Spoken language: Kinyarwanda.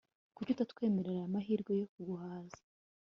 Kuki utatwemerera aya mahirwe yo kuguhaza